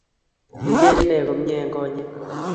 Kiker inet komie eng konyek